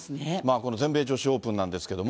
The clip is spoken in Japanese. この全米女子オープンなんですけれども。